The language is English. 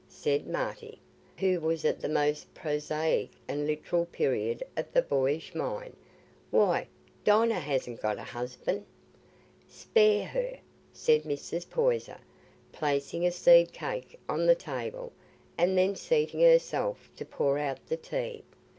said Marty, who was at the most prosaic and literal period of the boyish mind. "Why, Dinah hasn't got a husband." "Spare her?" said Mrs. Poyser, placing a seed cake on the table and then seating herself to pour out the tea.